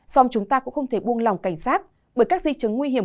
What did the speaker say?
gov chúng ta cũng không thể buông lòng cảnh giác bởi các di chứng nguy hiểm